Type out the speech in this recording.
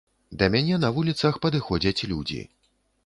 Да мяне на вуліцах падыходзяць людзі.